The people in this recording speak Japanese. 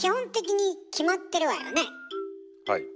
はい。